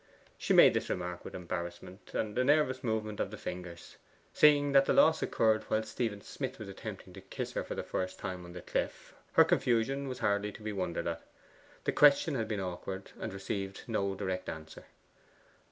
She made this remark with embarrassment, and a nervous movement of the fingers. Seeing that the loss occurred whilst Stephen Smith was attempting to kiss her for the first time on the cliff, her confusion was hardly to be wondered at. The question had been awkward, and received no direct answer.